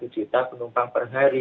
satu juta penumpang per hari